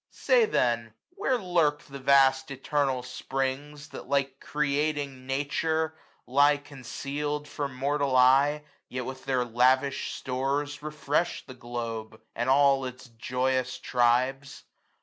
770 Say then, where lurk the vast eternal springs. That, like creating Nature, lieconceal'd From mortal eye, yet with their lavish stores Refresh the globe, and all its joyous tribes